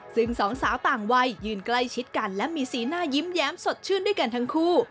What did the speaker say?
ซึ่งสองสาวต่างวัยยืนใกล้ชิดกันและมีสีหน้ายิ้มแย้มสดชื่นด้วยกันทั้งคู่